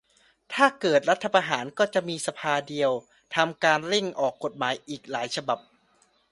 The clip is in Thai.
ถ้าเกิดรัฐประหารก็จะมีสภาเดียวทำการเร่งออกกฎหมายอีกหลายฉบับ